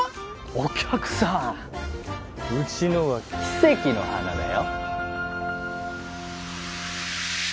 お客さんうちのは奇石の花だよ